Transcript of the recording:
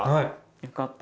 よかった。